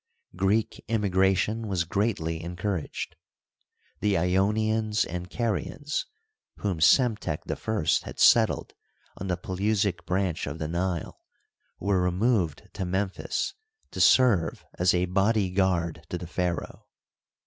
Greek immigration was greatly encouraged, 'he lonians and Carians» whom Psemtek I had settled on the Pelusic branch of the Nile, were removed to Memphis to serve as a body g^ard to the pharaoh.